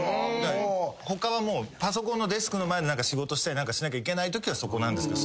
他はパソコンのデスクの前で仕事しなきゃいけないときはそこなんですけど。